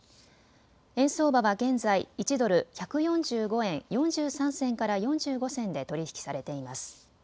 円相場は現在、１ドル１４５円４３銭から４５銭で取り引きされています。